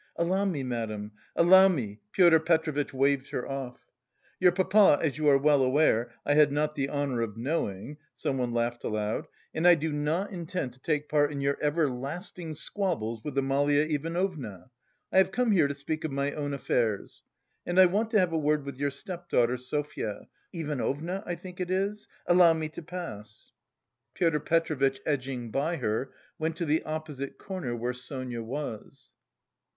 "Allow me, madam.... Allow me." Pyotr Petrovitch waved her off. "Your papa as you are well aware I had not the honour of knowing" (someone laughed aloud) "and I do not intend to take part in your everlasting squabbles with Amalia Ivanovna.... I have come here to speak of my own affairs... and I want to have a word with your stepdaughter, Sofya... Ivanovna, I think it is? Allow me to pass." Pyotr Petrovitch, edging by her, went to the opposite corner where Sonia was.